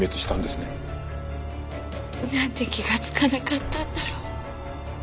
なんで気がつかなかったんだろう。